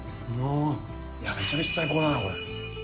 めちゃめちゃ最高だな、これ。